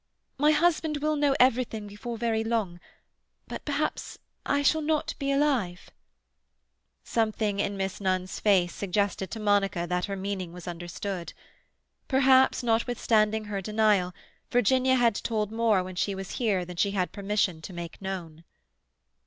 My husband will know everything before very long—but perhaps I shall not be alive—" Something in Miss Nunn's face suggested to Monica that her meaning was understood. Perhaps, notwithstanding her denial, Virginia had told more when she was here than she had permission to make known.